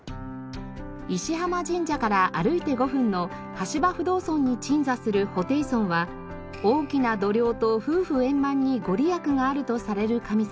石浜神社から歩いて５分の橋場不動尊に鎮座する布袋尊は大きな度量と夫婦円満に御利益があるとされる神様。